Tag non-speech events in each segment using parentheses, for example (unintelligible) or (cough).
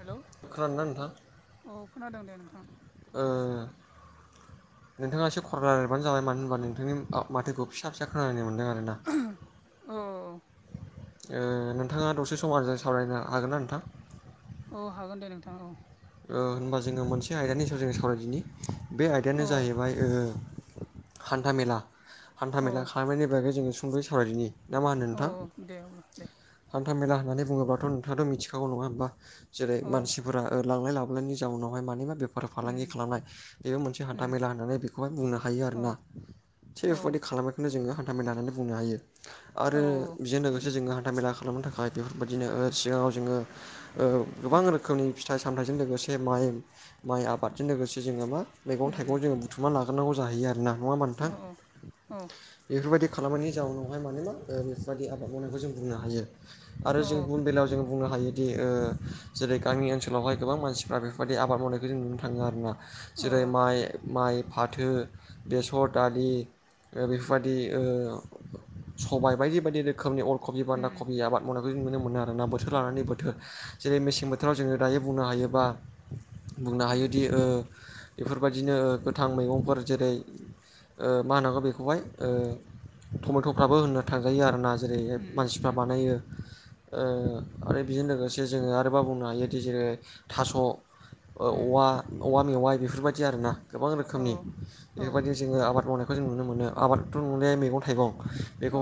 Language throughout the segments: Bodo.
हेल' खोनादों ना नोंथां अ खोनादों दे नोंथां ओ नोंथाङा एसे खर लिरबानो (unintelligible) जाबाय मानो होनबा नोंथांनि माथोखौ फिसा फिसा खोनानाय मोनदों आरो मोन औ (unintelligible) नोंथाङा दसे सम आजों सावरायनो हागोन ना नोंथां औ हागोन दे नोंथाङा औ होनबा जोङो मोनसे आयदानि सायाव जो सावरायदिनि बे औ आयदायानो जाहैबाय हान्था मेला हान्था औ मेला खालामनायनि बागै जोङो सुंदयै सावरायदिनि ना मा होनो औ नोंथां औ दे अब्ला दे हान्थामेला होननानै बुङोब्लाथ' नोंथाङाथ' मिथिखागौ नङा होमबा जेरै औ मानसि लांनाय लाबोलायनायनि जाउनावहाय मानि मा बेफोर फालांगि उम खालामनाय बेबो मोनसे उम हान्था मेला होननानै बेखौहाय बुंनो हायो औ आरोना थिग औ बेफोरबायदि खालामनायखौनो जोङो हान्थामेला होननानै बुंनो हायो आरो औ बेजों लोगोसे जोङो हान्था मेला खालाम खालामनो थाखाय बेफोरबायदिनो सिगाङाव जोङो गोबां उम रोखोमनि फिथाइ सामथाइजों लोगोसे माइ माइ आबादजों लोगोसे जोङो मा मैगं उम थाइगं उम जोङो बुथुमना लाग्रोनांगौ जाहैयो आरोना नङा होमबा नोंथां औ औ बेफोरबायदि खालामनायनि जाउनावहाय माने मा बेफोरबायदि आबाद मावनायखौ जों बुंनो हायो आरो औ जों गुबुन बेलायाव जों बुंनो हायोदि ओ जेरै गामि ओनसोलाव ओनसोलावहाय गोबां मानसिफ्रा बेफोरबायदि आबाद मावनायखौ जों नुनो थाङो आरोना औ जेरै माइ माइ फाथो बेसर दालि बेफोरबायदि ओ सबाइ बायदि बायदि रोखोमनि अर कबि बान्दा उम खबि आबाद मावनायखौ जों नुनो मोनो आरो ना बोथोर उम औ लानानै बोथोर जेरै मेसें बोथोराव जोङो दायो बुंनो हायोबा बुंनो उम हायोदि ओ बेफोरबायदिनो गोथां मैगंफोर जेरै ओ मा होननांगौ बेखौहाय ओ टमेट'फ्राबो होननो थांजायो आरोना जेरै उम मानसिफ्रा उम बानायो ओ आरो बेजों लोगोसे जोङो आरोबाव बुंनो हायो बि जेरै थास' ओ उम औवा औवा मेवाइ बेफोरबायदि आरो ना। गोबां औ रोखोमनि औ बेफोरबायदि जोङो आबाद मावनायखौ जों नुनो मोनो आबादाथ' माने मैगं थाइगं।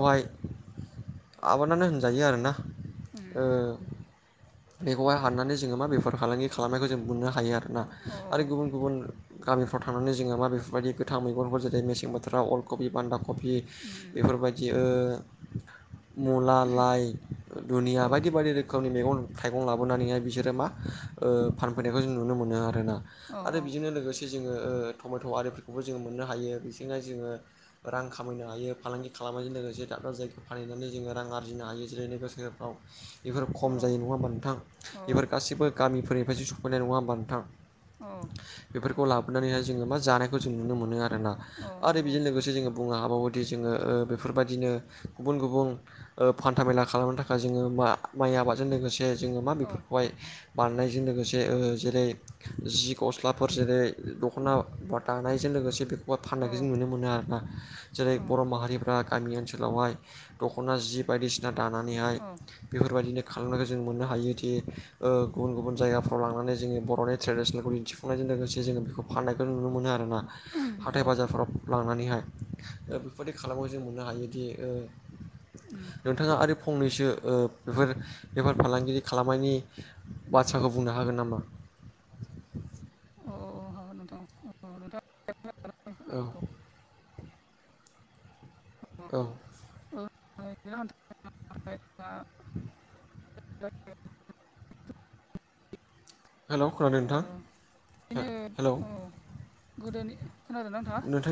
औ आबादानो होनजायो आरोना उम ओ बेखौहाय हाननानै जोङो मा बेफार फालांगि खालामनायखौ जों मोननो हायो आरोना औ आरो गुबुन गुबुन गामिफ्राव थांनानै जोङो मा बेफोरबायदि गोथां मैगंफोर जेरै मेसें बोथोराव अलकबि बान्दा कबि उम बेफोरबायदि ओ मुला लाइ दुनिया औ बायदि बायदि रोखोमनि मैगं थाइगं लाबोनानैहाय बिसोर मा ओ फानफैनायखौ जों नुनो मोनो आरोना औ आरो बेजोंनो लोगोसे से जोङो ओ टमेट' आरिफोरखौबो जोङो मोननो हायो बेजोंहाय जोङो। रां खामायनो हायो फालांगि खालामनायजों लोगोसे दाब दाब जायगायाव फानैनानै जोङो रां आरजिनो हायो जेरै नोगोर सोहोरफ्राव। बेफोरो खम जायो नङा होमबा नोंथां। बेफोर गासैबो गामिफोरनिफ्रायसो सफैनाय नङा होमबा नोंथां। औ। बेफोरखौ लाबोनानैहाय जोङो मा जानायखौ जों नुनो मोनो आरोना। औ आरो नंगौ बेजों लोगोसे जोङो बुंनो हाबावोदि जोङो ओ बेफोरबायदिनो गुबुन गुबुन हान्था मेला खालामनो थाखाय जोङो मा माइ आबादजों लोगोसे जोङो मा औ बेफोर बाय बारनायजों लोगोसे ओ जेरै जि गस्लाफोर जेरै दख'ना बा दानायजों लोगोसे बे औवा औ फाननायखौ जों नुनो मोनो आरोना। जेरै बर' माहारिफ्रा गामि ओनसोलावहाय दख'ना जि बायदिसिना दानानैहाय बेफोरबायदिनो खालामनायखौ जों मोननो हायोदि ओ गुबुन गुबुन औ जायगाफ्राव लांनानै जोंनि बर'नि ट्रेडिसनेलखौ दिन्थिफुंनायजों लोगोसे जोङो बेखौ फाननायखौ नुनो मोनो आरोना। हाथाय औ बाजारफोराव लांनानैहाय ओ बेफोरबायदि खालामनायखौ जों मोननो हायोदि ओ। उम नोंथाङा आरो फंनैसो ओ बेफोर बेफार फालांगिरि खालामनायनि बाथ्राखौ बुंनो हागोन नामा? अ अ अ हागोन। नोंथां ओ। औ। औ। औ नोंथाङा हेल' खोनादों ओ नोंथां बिदिनो हे-हेल'। औ गोदोनि खोनादोंना नोंथाङा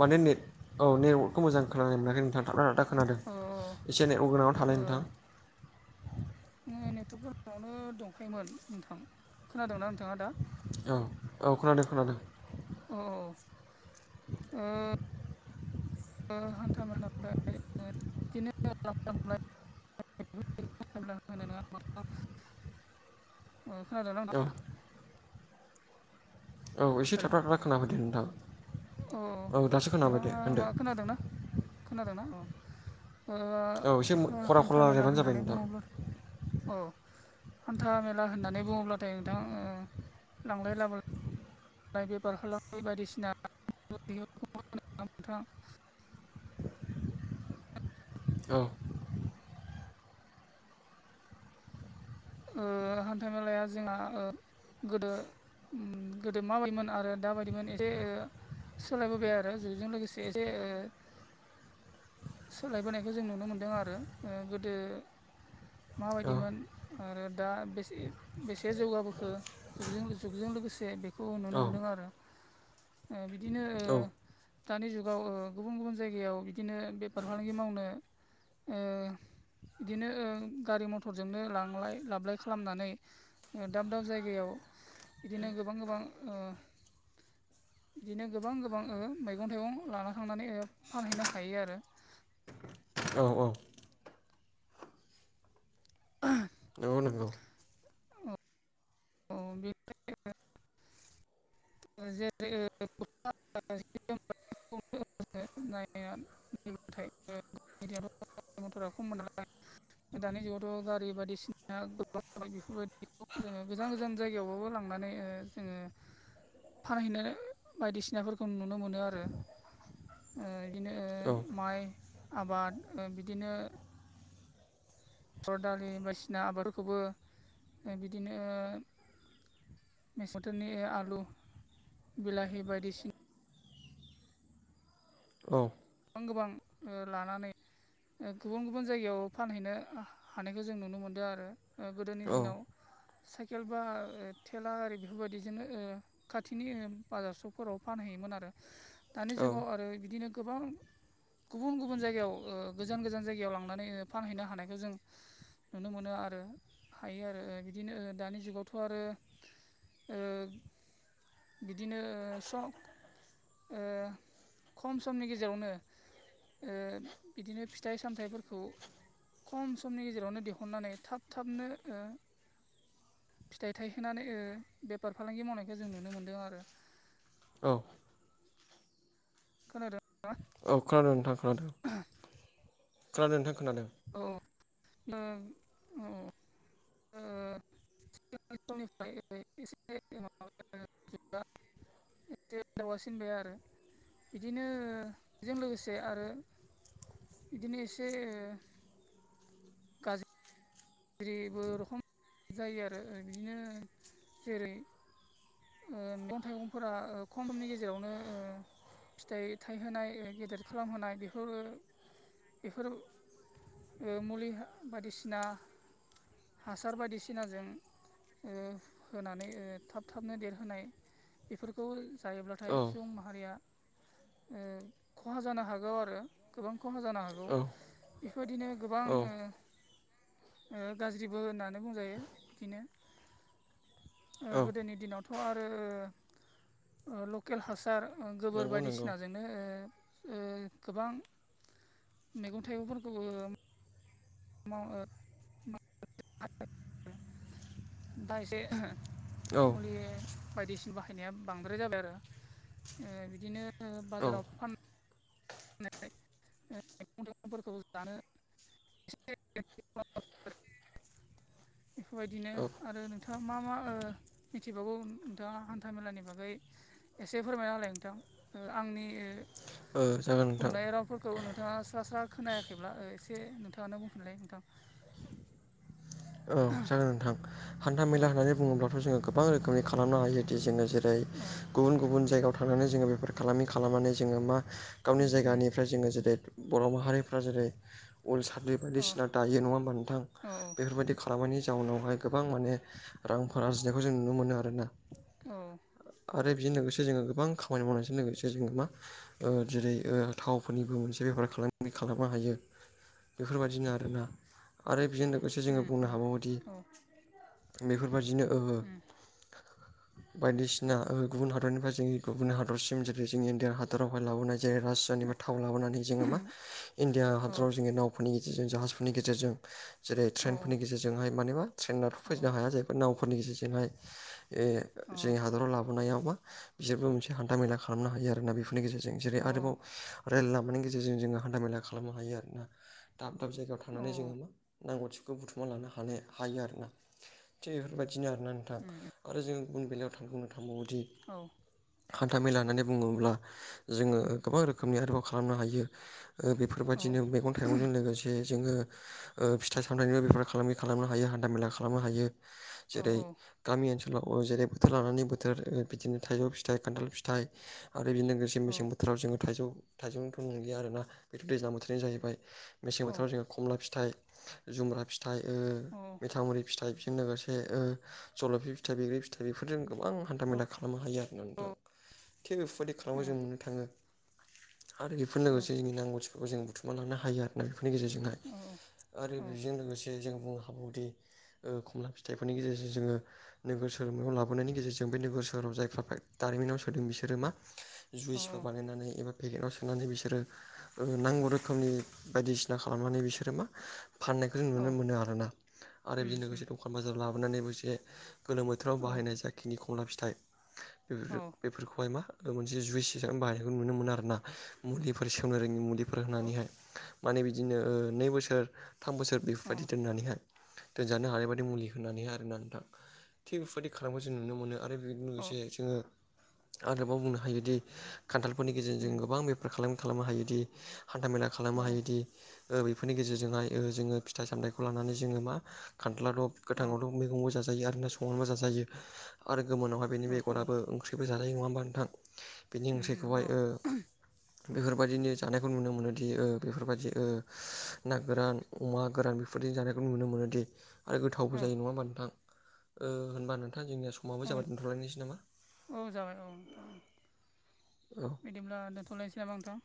माने नेट औ नेटवर्कखौ मोजां खोनानाय मोनाखै नोंथां थाबथा थाबथा खोनादों। खोनादों औ एसे नेटवर्क गोनाङाव थालाय ओ नोंथां। आङो नेटवर्क गोनाङावनो दंखायोमोन नोंथां खोनादोंना नोंथाङा दा? औ औ खोनादों खोनादों। अ ओ। (inaudible) हान्था मेलायाव (unintelligible) ओ खोनादोंना नोथाङा? (unintelligible) औ एसे थाबफ्लाा थाब्ला खोनाफैदो नोंथां। अओ औ दासो खोनाबाय दे नोंथाङा होनदो मा खोनादोंना खोनादोंना ओ? औ एसे ओ खरा खरा हान्था मेला रायलायबानो जाबाय होननानै नोंथां बुङोब्लाथाय औ हान्था मेला होननानै बुङोब्लाथाय नोंथां लांलाय लाबोलाय। बेफार खालामनाय बायदिसिना। नोंथां। औ ओ हान्था-मेलाया जोंहा ओ गोदो ओम गोदो माबायदिमोन आरो दाबायदिमोन एसे ओ सोलायबोबाय आरो जुगजों लोगोसे एसे ओ सोलायबोनायखौ जों नुनो मोनदों आरो ओ गोदो औ माबायदिमोन आरो दा बेसे बेसे जौगाबोखो जुगजों जुगजों लोगोसे बे खौ नुनो मोनदों औ आरो ओ बिदिनो ओ दानि जुगाव ओ गुबुन गुबुन जायगायाव बिदिनो बेफार फालांगि मावनो ओ बिदिनो ओ गारि मथरजोंनो लां लाय लाबलाय खालामनानै ओ दाब दाब जायगायाव बिदिनो गोबां गोबां ओ बिदिनो गोबां गोबां ओ मैगं-थाइगं लाना थांनानै ओ फानहैनो हायो आरो औ औ नोंगौ नोंगौ अ बेबायदिनो जेरै ओ (unintelligible) (unintelligible) मथरा खममोन नालाय दानि जुगावथ' गारि बायदिसिना गोबां बेफोरबायदिखौ जोङो गोजान गोजान जायगायावबाबो लांनानै ओ जोङो फानहैनाय बायदिसिनाफोरखौ नुनो मोनो आरो ओ इदिनो औ ओ माइ आबाद ओ बिदिनो सर दालि बायदिसिना आबादफोरखौबो ओ बिदिनो ओ मेसें बोथोनि आलु बिलाहि बायदिसि औ गोबां गोबां ओ लानानै ओ गुबुन गुबुन जायगायाव फानहैनो हानायखौ जों नुनो मोनदो आरो ओ गोदोनि औ दिनाव साइकेल बा ओ थेला आरि बेफोरबायदिजोनो ओ खाथिनि बाजार सकफोराव फानहैयोमोन आरो दानि औ जुगाव आरो बिदिनो गोबां गुबुन गुबुन जायगायाव ओ गोजान गोजान जायगायाव लांनानै ओ फानहैनो हानायखौ जों नुनो मोनो आरो हायो आरो ओ बिदिनो दानि जुगावथ' आरो ओ बिदिनो ओ सक ओ खम समनि गेजेरावनो ओ बिदिनो फिथाइ-सामथाइफोरखौ खम समनि गेजेरावनो दिहुननानै थाब थाबनो ओ फिथाइ थायहोनानै ओ बेफार फालांगि मावनायखो जों नुनो मोन्दों आरो औ खोनादों ना? औ खोनादों नोंथां खोनादों। (unintelligible) खोनादों नोंथां खोनादों औ ओं औ ओ सिगां समनिफ्राय इसे एसे दावगासिनबाय आरो बिदिनो बेजों लोगोसे आरो बिदिनो एसे ओ गाज रिबो रखम जायो आरो बिदिनो जेरै ओ मैगं-थाइगंफोरा ओ खमनि गेजेरावनो ओ फिथाइ थायहोनाय गेदेर खालामहोनाय बेफोरो बेफोर ओ मुलि बायदिसिना हासार बायदिसिनाजों ओ होनानै ओ थाब थाबनो देहोनाय बेफोरखौ औ जायोब्लाथाय सुबुं माहारिया ओ खहा जानो हागौ आरो गोबां खहा जानो हागौ। औ बेफोर बादिनो गोबां ओ गाज्रिबो होननानै बुंजायो बिदिनो ओ औ गोदोनि दिनावथ' आरो लकेल हासार गोबोर ओ नंगौ नंगौ बायदिसिनाजों नो ओ ओ गोबां मैगं-थाइगंफोरखौबो माव ओ मा (unintelligible) औ। माने बायदिसिना बाहायनाया बांद्राय जाबाय आरो ओ बिदिनो औ बाजाराव फा (unintelligible) (unintelligible) (inaudible) बेफोरबायदिनो औ ओ आरो नोंथाङा मा मा ओ मिथिबावगौ नोंथाङा हान्था मेलानि बागै। एसे फोरमायना होलाय नोंथां आंनि ओ औ जागोन। नोंथां बुंनाय राव खौ नोंथाङा स्रा स्रा खोनायाखैब्ला एसे नोंथाङानो बुंफिनलाय नोंथां? औ जागोन नोंथां हान्था औ मेला होननानै बुङोब्लाथ' जोङो गोबां रोखोमनि खालामनो हायो जदि जोङो जेरै जेरै औ गुबुन गुबुन जायगायाव थांनानै जोङो बेफोर खालामि खालामनानै जोङो मा? गावनि उम उम जायगानिफ्राय जोङो जेरै बर' माहारिफ्रा जेरै उम साद्रि औ बायदिसिना दायो नङा होमबा नोंथां औ बेफोरबादि खालामनायनि जाउनावहाय गोबां माने रांफोर आरजिनायखौ जों नुनो मोनो आरोना। औ। आरो बेजों लोगोसे जोङो गोबां खामानि मावनायजों लोगोसे जोङो मा। जेरै दिनै थावफोरनिबो मोनसे बेफार खालामनो हायो। बेफोरबादिनो आरोना आरो बेजोंनो लोगोसे जोङो उम औ बुंनो हाबावोदि औ बेफोरबादिनो ओहो उम बायदिसिना गुबुन हादरनिफ्राय जोंनि गुबुन हादरसिम जेरै जोंनि इण्डियान हादरावहाय लाबोनाय जेर राज औ जेनबा थाव लाबोनानै जोङो मा इण्डिया औ हादराव जोङो नाव फोरनि गेजेरजों जाहाजफोरनि गेजेरजों जेरै औ ट्रेनफोरनि गेजेरजोंहाय माने मा? ट्रेेनार औ फैनो हाया जाहैबाय नावफोरनि गेजेरजोंहाय जोंनि हादराव लाबोनायाव मा मा बिसोरबो मोनसे हान्था-मेला खालामनो हायो आरोना बेफोरनि गेजेरजों जेरै उम औ आरोबाव रेल लामानि गेजेरजों जोङो हान्था-मेला खालामनो हायो आरोना दाब दाब जायगायाव थांनानै जोङो मा मा नांगौथिखौ बुथुमना लानो हायो आरोना थिग बेफोरबादिनो आरोना नोंथां उम आरो जोङो गुबुन बेलायाव थांबावनो थांबावोदि। औ। हान्थामेला होननानै बुङोब्ला जोङो गोबां रोखोमनि आरोबाव खालामनो हायो। बेफोरबायदिनो मैगं-थाइगंजों लोगोसे जोङो फ सामथामबो बेफोर खालामै खालामनो हायो हान्था-मेला खालामनो हायो जेरै गामि ओनसोलाव जेरै बोथोर लानानै बोथोर बिदिनो थाइजौ फिथाइ खान्थाल फिथाइ आरो बेजों लोगोसे जे मेसे बोथोराव जोङो थाइजौ थाइजौनिथ नंलिया आरोना बेथ' दैज्लां बोथोरानो जाहैबाय मेसें बोथोराव जोङो। खमला फिथाइ जुमब्रा फिथाइ औ मिथामुरि फिथाइ बेजों लोगोसे जलफि फिथाइ बैग्रि, फिथाइ बेफोरजों गोबां हान्था मेला खालामनो हायो आरो। थानानै थां थिग बेफोरबायदि खालामा जों नेनो थाङो। आरो बेफोर लोगोसे जोंनि नांगौथिफोरखौ जों बुथुमना लानो हायो आरोना बेफोरनि गेजेरजों औ औ जों लोगोसे जों बुंनो हाबौदि खमला फिथाइफोरनि गेजेरजों जोङो नोगोर सहायाव लाबोनायनि गेजेरजों बे नोगोर सोहोराव जायफ्रा दारिमिनाव सोदों बिसोरो मा जुइसफोर बानायनानै एबा पेकेटाव सोनानै बिसोरो नांगौ रोखोमनि बायदिसिना खालामनानै बिसोरो मा फाननायखौ जों नुनो मोनो आरोना आरो उम बेजों लोगोसे उम दखान बाजाराव लाबोनानैबोसे गोलोम बोथोराव औ औ बाहायनाय औ उम औ जाखिनि खमला फिथाइ औ बेफोर बेफोरखौहाय मा मोनसे जुइस हिसाबै बाहनायखौ नुनो मोनो आरो ना मुलिफोर सेवनो रोङि मुलिफोर औ होनानैहाय माने बिदिनो नै बोसोर थाम बोसोर उम उम बेफोरबायदि औ दोननानैहाय दोनजानो हानाय बादि मुलि होननानैहाय आरोना नोंथां थिग बेफोरबायाददि खालामखौ जों नुनो मोनो आरो बेजों लोगोसे जोङो आरोबाव बुंनो हायोदि खान्थालफोरनि गेजेरजों जों गोबां बे खालाम खालामनो हायोदि हान्थाामेला खालामनो हायोदि बेफोरनि गेजेरजोंहाय जोङो फिथाइ सामथायखौ लानानै जोङो मा खान्थाला थ' गोथाङावथ' मैगंबो जाजा जायो आरोना संना जाजायो आरो गोमोनाव हायबो बेनि बेगराबो ओंख्रिबो जायो नङा होमबा नोंथां बेनि ओंख्रिखौहाय बेफोरबायदिनो जानायखौ नुनो मोनोदि बेफोरबायदि ना गोरान अमा गोरान बेफोरजों जानायखौ नुनो मोनो दे आरो औ गोथावबो जायो नङा होमबा नोंथां ओ होनबा नोंथां जोंनिया स माबो औ जाबाय दोनथ'लायनोसै नामा औ जाबाय औ नोंथां औ बिदिब्ला दोनथ'लायनोसै नामा नोंथां